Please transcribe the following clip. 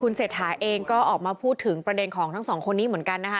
เศรษฐาเองก็ออกมาพูดถึงประเด็นของทั้งสองคนนี้เหมือนกันนะคะ